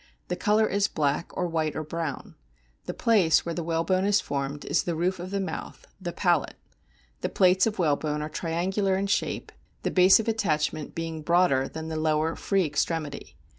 The colour is black or white or brown. The place where the whalebone is formed is the roof of the mouth, the palate. The plates of whalebone are triangular in shape, the base of attachment being broader than the lower, free extremity.